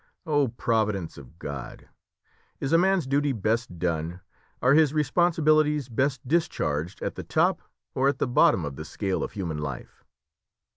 Oh, Providence of God, is a man's duty best done, are his responsibilities best discharged, at the top or at the bottom of the scale of human life?"